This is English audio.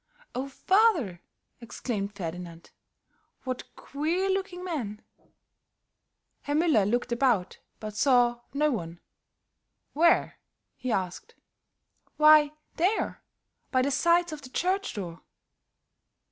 "Oh, father," exclaimed Ferdinand, "what queer looking men!" Herr Müller looked about, but saw no one. "Where?" he asked. "Why, there, by the sides of the church door."